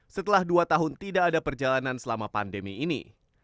setelah dua tahun tidak ada perjalanan selama pandemi ini